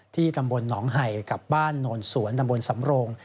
ตำบลหนองไห่กับบ้านโนนสวนตำบลสำโรง